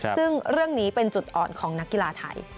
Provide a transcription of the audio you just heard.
ซึ่งเรื่องนี้เป็นจุดอ่อนของนักกีฬาไทย